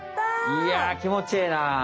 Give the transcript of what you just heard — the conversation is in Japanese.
いやきもちええな。